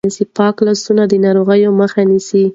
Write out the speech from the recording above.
پاک لاسونه د ناروغیو مخه نیسي.